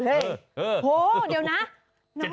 โหเดี๋ยวนะ